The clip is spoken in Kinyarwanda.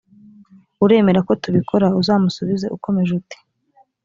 uremera ko tubikora uzamusubize ukomeje uti